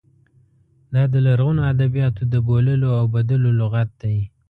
دا د لرغونو ادبیاتو د بوللو او بدلو لغت دی.